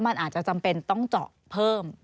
มันอาจจะจำเป็นต้องเจาะเพิ่ม